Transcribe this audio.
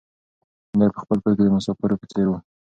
دی په خپل کور کې د مسافر په څېر و.